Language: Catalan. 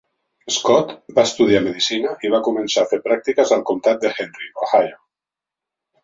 Scott va estudiar medicina i va començar a fer pràctiques al comtat de Henry, Ohio.